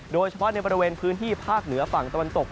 โดยเฉพาะในบริเวณพื้นที่ภาคเหนือฝั่งตะวันตก